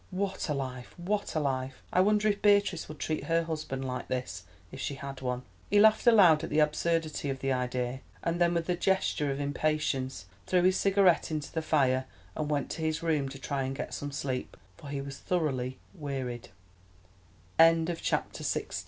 What a life, what a life! I wonder if Beatrice would treat her husband like this—if she had one." He laughed aloud at the absurdity of the idea, and then with a gesture of impatience threw his cigarette into the fire and went to his room to try and get some sleep, for he was thoroughly wearied. CHAPTER XVII.